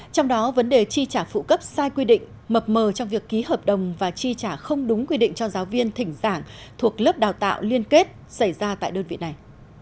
trong đó vấn đề chi trả phụ cấp sai quy định mập mờ trong việc ký hợp đồng và chi trả không đúng quy định cho giáo viên thỉnh giảng thuộc lớp đào tạo liên kết xảy ra tại đơn vị này